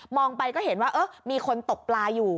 ไปก็เห็นว่ามีคนตกปลาอยู่